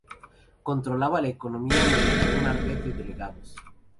Controlaba la economía mediante una red de delegados.